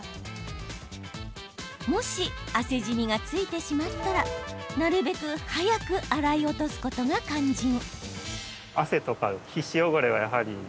もし汗じみがついてしまったらなるべく早く洗い落とすことが肝心。